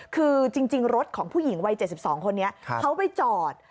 คือจริงรถของผู้หญิงวัย๗๒คนนี้เขาไปจอด